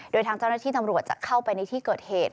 โดยทางเจ้าหน้าที่ตำรวจจะเข้าไปในที่เกิดเหตุ